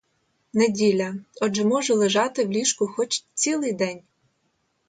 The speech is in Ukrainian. Неділя, — отже можу лежати в ліжку хоч цілий день.